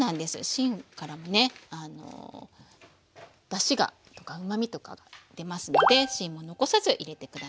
芯からもねだしがとかうまみとか出ますので芯も残さず入れて下さい。